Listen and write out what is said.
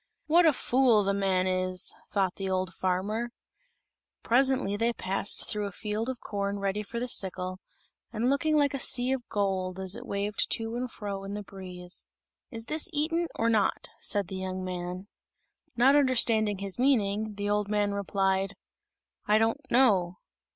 "What a fool the man is!" thought the old farmer. Presently they passed through a field of corn ready for the sickle, and looking like a sea of gold as it waved to and fro in the breeze. "Is this eaten or not?" said the young man. Not understanding his meaning, the old man replied, "I don't know."